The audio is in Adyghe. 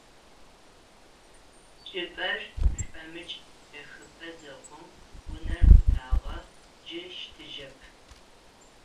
Чӏыпӏэр шӏомыкӏ чӏэхыпӏэ зэхъум: унэр къутагъэ, джы щытыжьэп.